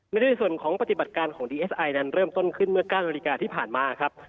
ในส่วนของปฏิบัติการของดีเอสไอนั้นเริ่มต้นขึ้นเมื่อ๙นาฬิกาที่ผ่านมาครับ